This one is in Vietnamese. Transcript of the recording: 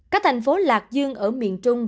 các thành phố lạc dương ở miền trung và yên kỳ